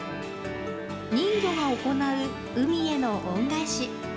人魚が行う海への恩返し。